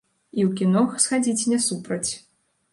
І ў кіно схадзіць не супраць.